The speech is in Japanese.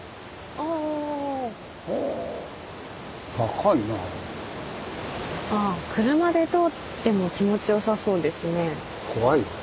あぁ車で通っても気持ちよさそうですね。